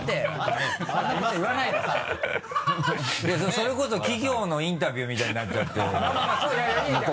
それこそ企業のインタビューみたいになっちゃってるから。